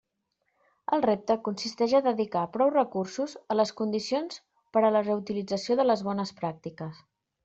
El repte consisteix a dedicar prou recursos a les condicions per a la reutilització de les bones pràctiques.